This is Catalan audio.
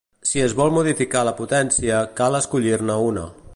Si es vol modificar la potència, cal escollir-ne una.